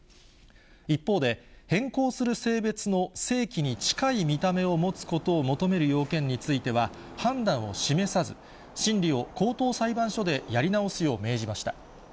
一方で、変更する性別の性器に近い見た目を持つことを求める要件については、判断を示さず、審理を高等裁判所でやり直すよう命じました。